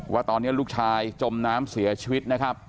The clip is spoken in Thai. ว่าตอนนี้ลูกชายจมน้ำเสียชีวิตนะครับ